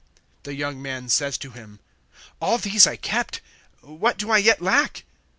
(20)The young man says to him: All these I kept; what do I yet lack?